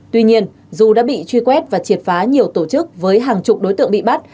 tuy nhiên dù đã bị truy quét và triệt phá nhiều tổ chức với hàng chục đối tượng bị bắt